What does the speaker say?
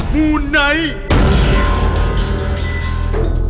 มูไนท์